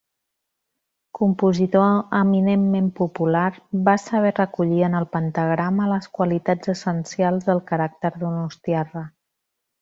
Compositor eminentment popular, va saber recollir en el pentagrama les qualitats essencials del caràcter donostiarra.